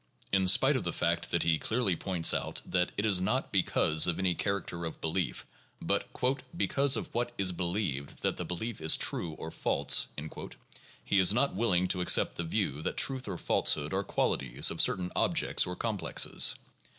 In spite of the fact that he clearly points out that it is not because of any character of belief, but "because of what is believed that the belief is true or false, " he is not willing to accept the view that truth or falsehood are qualities of certain objects or complexes.